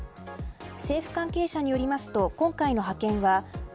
政府関係者によりますと今回の派遣はＰＫＯ